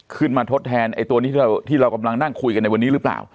ทดแทนไอ้ตัวนี้ที่เรากำลังนั่งคุยกันในวันนี้หรือเปล่า